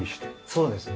そうです。